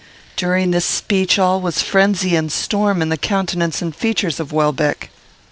During this speech, all was frenzy and storm in the countenance and features of Welbeck.